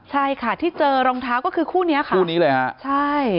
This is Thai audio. ใช่ค่ะที่เจอรองเท้าก็คือคู่นี้ค่ะคู่นี้เลยฮะใช่